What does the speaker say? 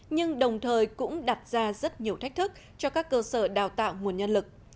nhưng đồng thời cũng đặt ra rất nhiều thách thức cho các cơ sở đào tạo nguồn nhân lực